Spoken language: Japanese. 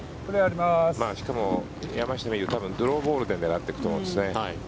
しかも、山下はドローボールで狙っていくと思うんですね。